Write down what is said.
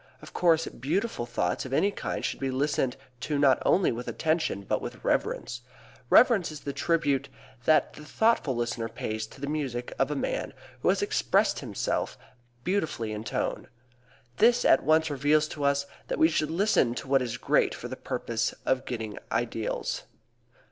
Of course, beautiful thoughts of any kind should be listened to not only with attention, but with reverence. Reverence is the tribute which the thoughtful listener pays to the music of a man who has expressed himself beautifully in tone. This at once reveals to us that we should listen to what is great for the purpose of getting ideals.